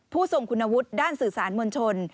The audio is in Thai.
ผู้ส่งคุณระวุธด้านสื่อสารมลชน